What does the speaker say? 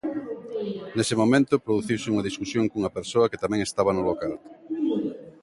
Nese momento produciuse unha discusión cunha persoa que tamén estaba no local.